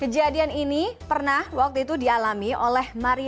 kejadian ini pernah waktu itu dialami oleh maria